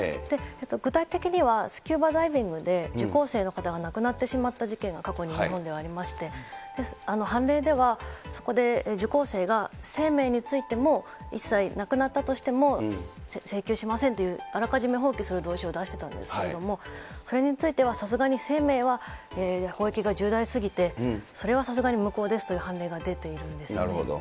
具体的にはスキューバダイビングで受講生の方が亡くなってしまった事件が過去に日本でありまして、判例ではそこで受講生が、生命についても、一切亡くなったとしても、請求しませんっていう、あらかじめ放棄する同意書を出してたんですけれども、それについてはさすがに生命はが重大すぎて、それはさすがに無効ですという判例が出ているんですね。